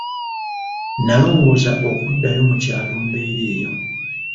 Nalowooza okuddayo mu kyalo mbeere eyo.